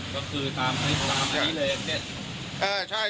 ก็คือตามร้ามอันนี้เลยเออใช่